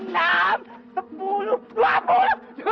jangan ke sana pak